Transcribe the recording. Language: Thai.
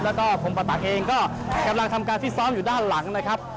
แล้วก็ผมประตักเองก็กำลังทำการฟิตซ้อมอยู่ด้านหลังนะครับ